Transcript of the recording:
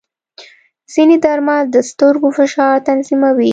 ځینې درمل د سترګو فشار تنظیموي.